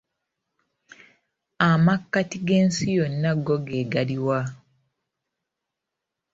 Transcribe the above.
Amakkati g'ensi yonna go ge gali wa?